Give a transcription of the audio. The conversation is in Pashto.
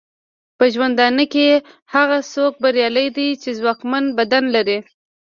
په ژوندانه کې هغه څوک بریالی دی چې ځواکمن بدن لري.